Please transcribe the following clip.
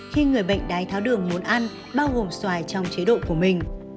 khi người bệnh đái tháo đường muốn ăn bao gồm xoài trong chế độ của mình